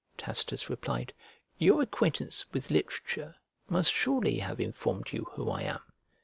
Tacitus replied, "Your acquaintance with literature must surely have informed you who I am."